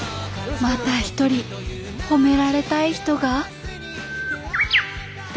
また一人褒められたい人がどうぞ。